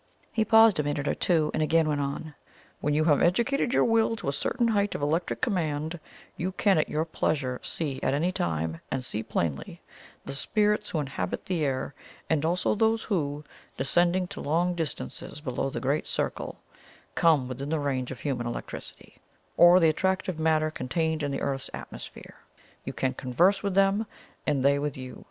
He paused a minute or two, and again went on: "When you have educated your Will to a certain height of electric command, you can at your pleasure see at any time, and see plainly, the spirits who inhabit the air; and also those who, descending to long distances below the Great Circle, come within the range of human electricity, or the attractive matter contained in the Earth's atmosphere. You can converse with them, and they with you.